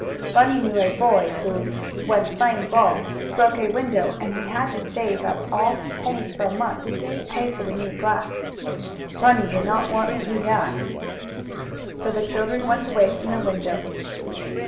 Bunny knew a boy who, when playing ball, broke a window, and he had to save up all his pennies for a month to pay for the new glass. Bunny did not want to do that. So the children went away from the window.